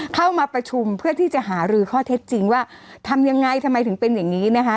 เข้ามาประชุมเพื่อที่จะหารือข้อเท็จจริงว่าทำยังไงทำไมถึงเป็นอย่างนี้นะคะ